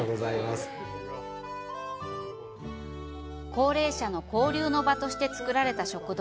高齢者の交流の場として作られた食堂。